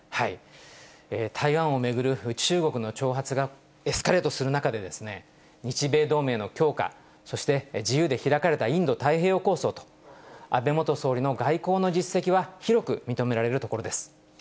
台湾を巡る中国の挑発がエスカレートする中で、日米同盟の強化、そして自由で開かれたインド太平洋構想と、安倍元総理の外交の実績は広く認められるところです。